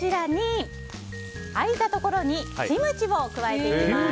空いたところにキムチを加えていきます。